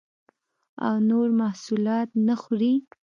او نور محصولات نه خوري